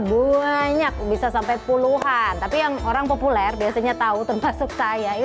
banyak bisa sampai puluhan tapi yang orang populer biasanya tahu termasuk saya